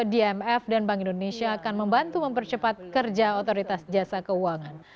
dmf dan bank indonesia akan membantu mempercepat kerja otoritas jasa keuangan